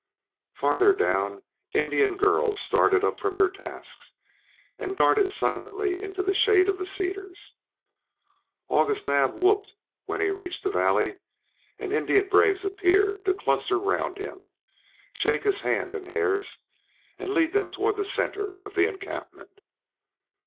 Farther down Indian girls started up from their tasks, and darted silently into the shade of the cedars. August Naab whooped when he reached the valley, and Indian braves appeared, to cluster round him, shake his hand and Hare's, and lead them toward the centre of the encampment.